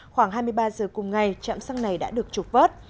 khoảng hai mươi ba giờ cùng ngày chạm xăng này đã được trục vớt